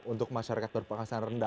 untuk masyarakat berpengalasan rendah